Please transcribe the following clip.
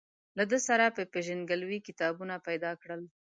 له ده سره په پېژندګلوۍ کتابونه پیدا کړل.